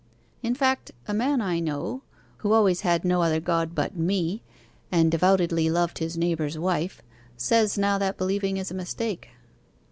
'In fact, a man I know, who always had no other god but "Me;" and devoutly loved his neighbour's wife, says now that believing is a mistake.